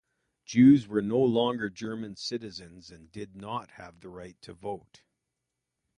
Jews were no longer German citizens and did not have the right to vote.